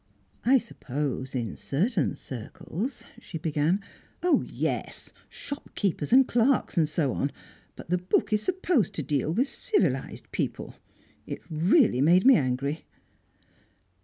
"I suppose in certain circles" she began. "Oh yes! Shopkeepers and clerks and so on. But the book is supposed to deal with civilised people. It really made me angry!"